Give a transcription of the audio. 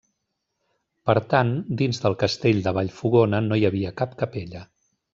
Per tant, dins del castell de Vallfogona no hi havia cap capella.